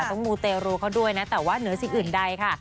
มูเตรูเขาด้วยนะแต่ว่าเหนือสิ่งอื่นใดค่ะ